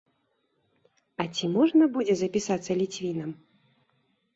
А ці можна будзе запісацца ліцвінам?